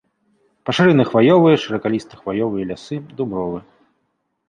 Пашыраны хваёвыя, шыракаліста-хваёвыя лясы, дубровы.